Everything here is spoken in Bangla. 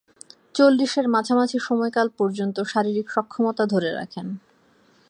চল্লিশের মাঝামাঝি সময়কাল পর্যন্ত শারীরিক সক্ষমতা ধরে রাখেন।